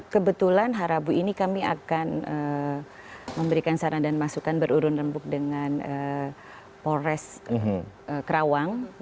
kebetulan harabu ini kami akan memberikan saran dan masukan berurun rempuk dengan polres kerawang